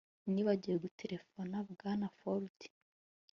Nibagiwe guterefona Bwana Ford